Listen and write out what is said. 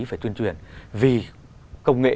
phải tuyên truyền vì công nghệ